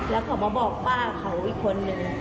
แล้วเขามาบอกป้าเขาอีกคนนึง